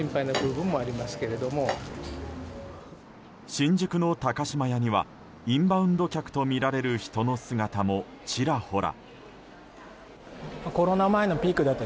新宿の高島屋にはインバウンド客とみられる人の姿もちらほら。